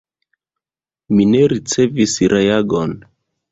Mi ne ricevis reagon.